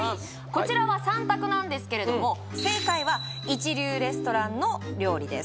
こちらは３択なんですけれども正解は一流レストランの料理です